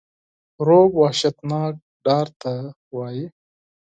رعب وحشتناک ډار ته وایی.